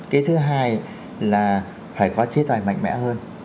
cái thứ hai là phải có chế tài mạnh mẽ hơn